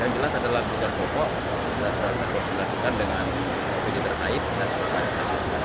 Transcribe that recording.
dan jelas adalah kita berkontrol dengan masyarakat